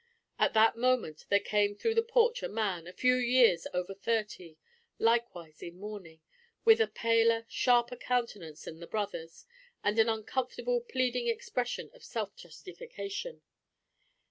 At that moment there came through the porch a man, a few years over thirty, likewise in mourning, with a paler, sharper countenance than the brothers, and an uncomfortable pleading expression of self justification.